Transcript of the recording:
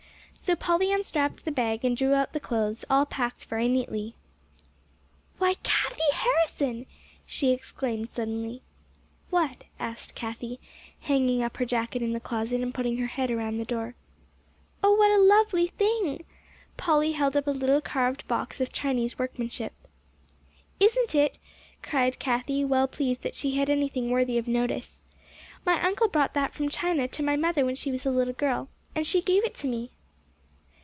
So Polly unstrapped the bag, and drew out the clothes, all packed very neatly. "Why, Cathie Harrison!" she exclaimed suddenly. "What?" asked Cathie, hanging up her jacket in the closet, and putting her head around the door. "Oh, what a lovely thing!" Polly held up a little carved box of Chinese workmanship. "Isn't it?" cried Cathie, well pleased that she had anything worthy of notice. "My uncle brought that from China to my mother when she was a little girl, and she gave it to me."